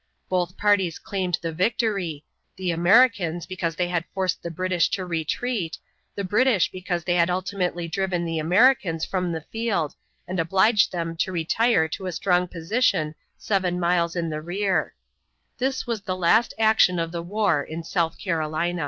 Both, parties claimed the victory; the Americans because they had forced the British to retreat; the British because they had ultimately driven the Americans from the field and obliged them to retire to a strong position seven miles in the rear This was the last action of the war in South Carolina.